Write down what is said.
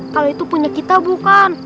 kalau itu punya kita bukan